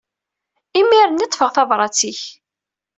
Imir-nni i d-ṭṭfeɣ tabrat-ik.